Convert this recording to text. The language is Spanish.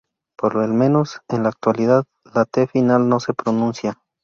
Por el menos en la actualidad la -t final no se pronuncia.